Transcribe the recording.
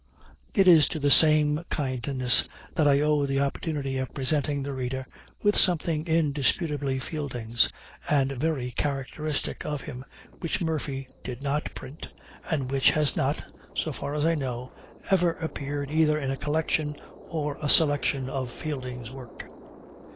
It is to the same kindness that I owe the opportunity of presenting the reader with something indisputably Fielding's and very characteristic of him, which Murphy did not print, and which has not, so far as I know, ever appeared either in a collection or a selection of Fielding's work.